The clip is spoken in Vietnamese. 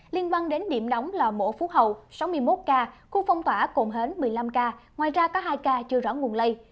liên quan đến điểm nóng là mộ phú hậu sáu mươi một ca khu phong tỏa cồn hến một mươi năm ca ngoài ra có hai ca chưa rõ nguồn lây